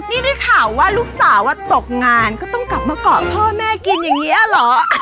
นี่ได้ข่าวว่าลูกสาวตกงานก็ต้องกลับมาเกาะพ่อแม่กินอย่างนี้เหรอ